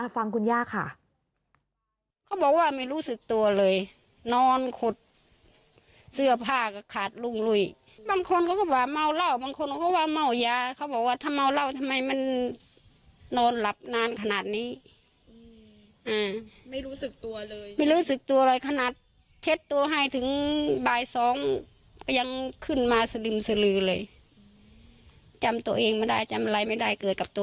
ฟังคุณย่าค่ะ